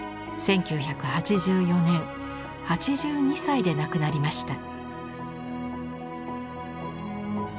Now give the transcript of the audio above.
１９８４年８２歳で亡くなりました。